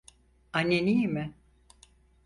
Annen iyi mi?